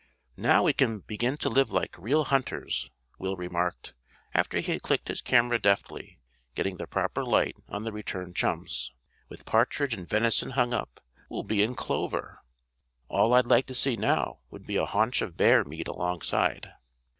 "Now we can begin to live like real hunters," Will remarked, after he had clicked his camera deftly, getting the proper light on the returned chums. "With partridge and venison hung up we'll be in clover. All I'd like to see now would be a haunch of bear meat alongside."